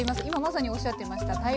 今まさにおっしゃってました